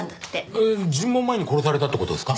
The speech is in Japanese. えっ尋問前に殺されたって事ですか？